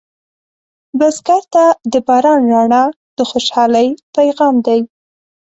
بزګر ته د باران رڼا د خوشحالۍ پیغام دی